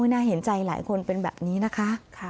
น่าเห็นใจหลายคนเป็นแบบนี้นะคะ